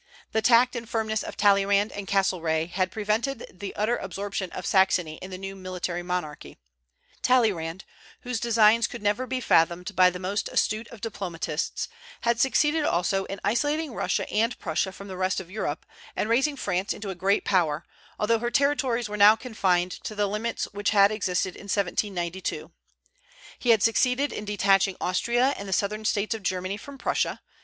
The tact and firmness of Talleyrand and Castlereagh had prevented the utter absorption of Saxony in the new military monarchy. Talleyrand, whose designs could never be fathomed by the most astute of diplomatists, had succeeded also in isolating Russia and Prussia from the rest of Europe, and raising France into a great power, although her territories were now confined to the limits which had existed in 1792. He had succeeded in detaching Austria and the southern States of Germany from Prussia.